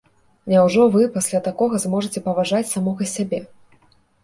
Няўжо вы пасля такога зможаце паважаць самога сябе?